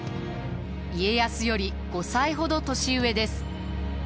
家康より５歳ほど年上です。